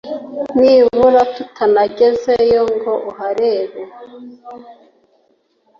niburatutanagezeyo ngo uharebe”